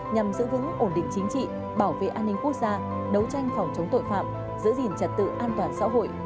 nhằm giữ vững ổn định chính trị bảo vệ an ninh quốc gia đấu tranh phòng chống tội phạm giữ gìn trật tự an toàn xã hội